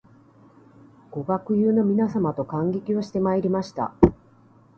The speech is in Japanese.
ご学友の皆様と観劇をしてまいりました